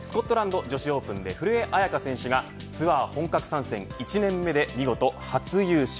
アメリカ女子ツアースコットランド女子オープンで古江彩佳選手がツアー本格参戦１年目で見事ツアー初優勝。